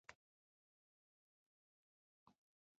غول د ناروغۍ د پیل اواز وي.